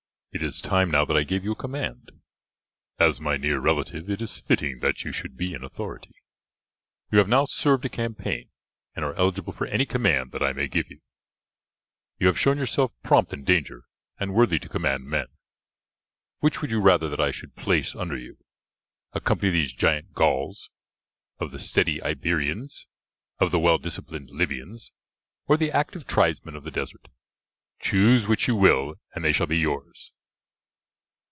"It is time now that I gave you a command. As my near relative it is fitting that you should be in authority. You have now served a campaign, and are eligible for any command that I may give you. You have shown yourself prompt in danger and worthy to command men. Which would you rather that I should place under you a company of these giant Gauls, of the steady Iberians, of the well disciplined Libyans, or the active tribesmen of the desert? Choose which you will, and they shall be yours."